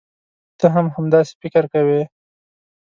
ته هم همداسې فکر کوې.